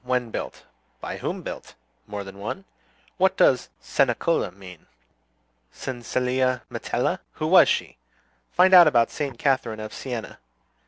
When built? By whom built? More than one?" "What does Cenacola mean?" "Cecilia Metella. Who was she?" "Find out about Saint Catherine of Siena."